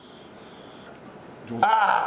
ああ！